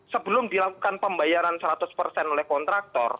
sebelum dilakukan pembayaran seratus persen oleh kontraktor